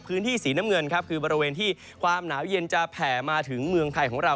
พื้นที่สีน้ำเงินครับคือบริเวณที่ความหนาวเย็นจะแผ่มาถึงเมืองไทยของเรา